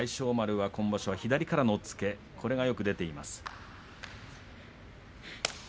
今場所は左からの押っつけがよく出ています。